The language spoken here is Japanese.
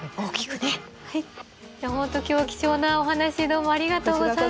本当今日は貴重なお話どうもありがとうございました。